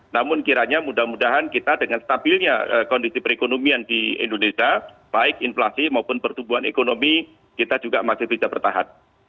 namun kiranya mudah mudahan kita dengan stabilnya kondisi perekonomian di indonesia baik inflasi maupun pertumbuhan ekonomi kita juga masih bisa bertahan